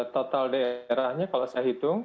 total daerahnya kalau saya hitung